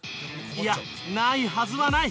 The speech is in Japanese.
いやないはずはない！